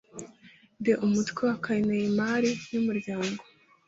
the umutwe wa kaneimari y umuryango